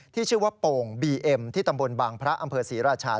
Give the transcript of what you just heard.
ที่ชื่อว่าโป่งบีเอ็มที่ตำบลบางพระอำเภอศรีราชา